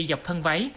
dọc thân váy